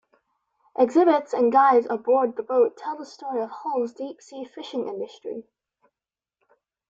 Exhibits and guides aboard the boat tell the story of Hull's deep-sea fishing industry.